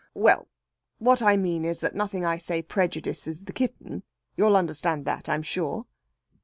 well what I mean is that nothing I say prejudices the kitten. You'll understand that, I'm sure?"